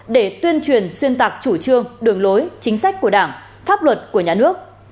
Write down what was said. để tuyên truyền xuyên tạc chủ trương đường lối chính sách của đảng pháp luật của nhà nước